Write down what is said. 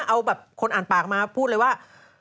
เอาแบบคนอ่านปากมาพูดเลยว่า